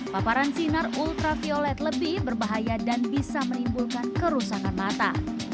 paparan sinar ultraviolet lebih berbahaya dan bisa menimbulkan kerusakan mata